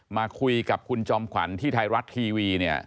มาคุยกับคุณจอมขวัญที่ไทยรัฐทีวีเนี่ย